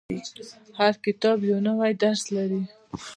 • هر کتاب یو نوی درس لري.